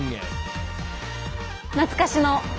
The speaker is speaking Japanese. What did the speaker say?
懐かしの。